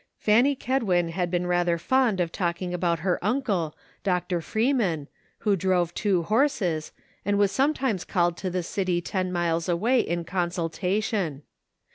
Fanny Kedwin had been rather fond of talking about her uncle. Dr. Freeman, who drove two horses, and was sometimes called to the city ten miles away in consultation.